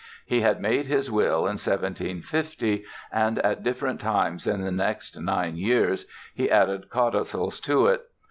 He had made his will in 1750 and at different times in the next nine years he added codicils to it.